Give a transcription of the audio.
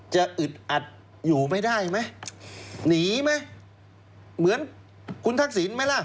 อึดอัดอยู่ไม่ได้ไหมหนีไหมเหมือนคุณทักษิณไหมล่ะ